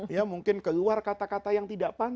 ya mungkin keluar kata kata yang terhormat itu kan